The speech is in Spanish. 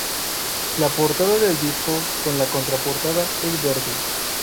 La portada del disco, con la contraportada, es verde.